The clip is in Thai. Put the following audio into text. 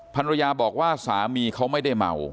ภรรยาบอกว่าสามีเขาไม่ได้เมา